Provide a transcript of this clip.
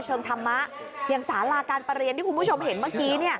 เชิงธรรมะอย่างสาราการประเรียนที่คุณผู้ชมเห็นเมื่อกี้